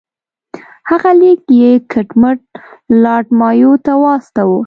هغه لیک یې کټ مټ لارډ مایو ته واستاوه.